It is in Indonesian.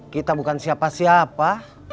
kita bukan siapa siapa